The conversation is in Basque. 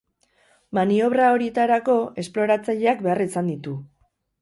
Maniobra horietarako, esploratzaileak behar izan ditu.